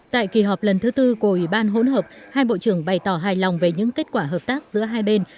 tại kỳ họp lần thứ tư của ủy ban hỗn hợp hai bộ trưởng bày tỏ hài lòng về những kết quả hợp tác giữa hai bên